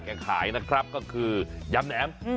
ขายนะครับก็คือยำแหนม